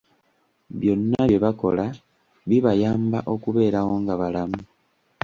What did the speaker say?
Byonna bye bakola bibayamba kubeerawo nga balamu.